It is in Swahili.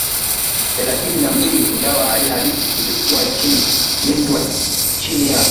thelathini na mbili ingawa hali halisi ilikuwa nchi lindwa chini ya